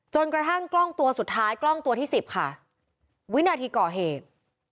กระทั่งกล้องตัวสุดท้ายกล้องตัวที่สิบค่ะวินาทีก่อเหตุ